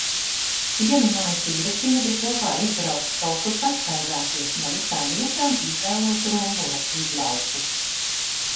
Pierunāju dzīvesbiedru kopā izbraukt kaut kur pastaigāties, no visām vietām izvēlos Rumbulas lidlauku.